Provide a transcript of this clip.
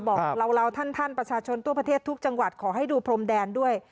บอกเราท่านประชาชนทั่วประเทศทุกจังหวัดขอให้ดูพรมแดนด้วย